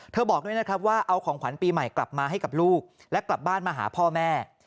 บอกด้วยนะครับว่าเอาของขวัญปีใหม่กลับมาให้กับลูกและกลับบ้านมาหาพ่อแม่